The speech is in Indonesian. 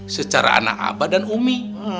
secara anak abad dan umi